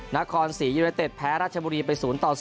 นครศรียุนิเต็ปแพ้ราชบุรีไป๐๒